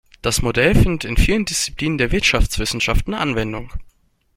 Das Modell findet in vielen Disziplinen der Wirtschaftswissenschaften Anwendung.